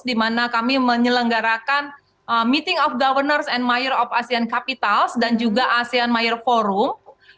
dimana kami menyelenggarakan meeting of governors and mayor of asean capitals dan juga asean mayor forum